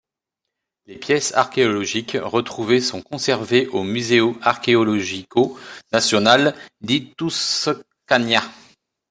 Le pièces archéologiques retrouvées sont conservées au Museo Archeologico Nazionale di Tuscania.